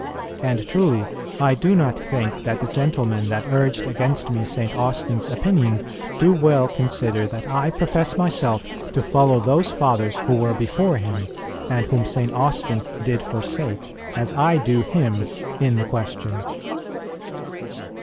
And truly .. I do not think that the gentlemen that urged against me St. Austin's opinion do well consider that I profess myself to follow those Fathers who were before him; and whom St. Austin did forsake, as I do him, in the question."